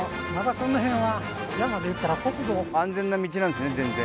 安全な道なんですね全然。